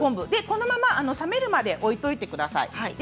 このまま冷めるまで置いてください。